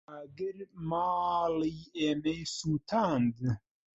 ئاگر ماڵی ئێمەی سوتاند.